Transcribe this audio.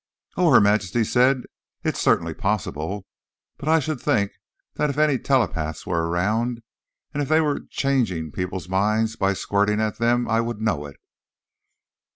"Oh," Her Majesty said, "it's certainly possible. But I should think that if any telepaths were around, and if they were changing people's minds by 'squirting' at them, I would know it."